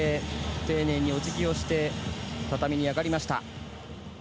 丁寧にお辞儀をして畳に上がりました。